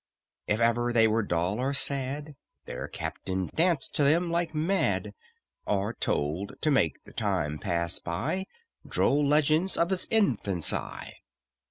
If ever they were dull or sad, Their captain danced to them like mad, Or told, to make the time pass by, Droll legends of his infancy.